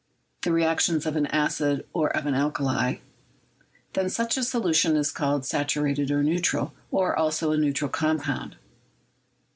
the reactions of an acid or of an alkali — then such a solution is called saturated or neutral, or also a neutral compound.